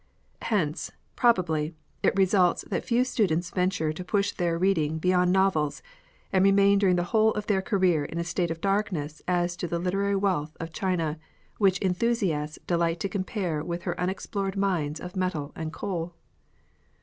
Hence, probably, it results that few students venture to push their reading beyond novels, and remain during the w^hole of their career in a state of darkness as to that literary wealth of China which enthusiasts delight to compare with her unexplored mines of metal and coal.